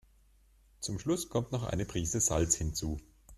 Zum Schluss kommt noch eine Prise Salz hinzu.